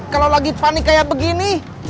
kalau lagi panik kayak begini